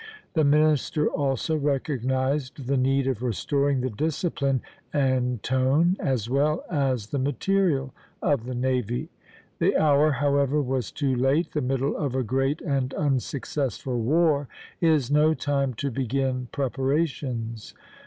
The minister also recognized the need of restoring the discipline and tone, as well as the material of the navy. The hour, however, was too late; the middle of a great and unsuccessful war is no time to begin preparations.